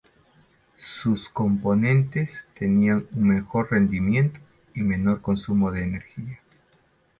Sus componentes tenían un mejor rendimiento y menor consumo de energía.